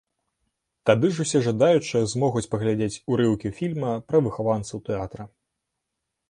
Тады ж усе жадаючыя змогуць паглядзець урыўкі фільма пра выхаванцаў тэатра.